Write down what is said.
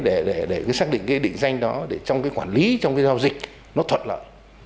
để cái xác định cái định danh đó để trong cái quản lý trong cái giao dịch nó thuận lợi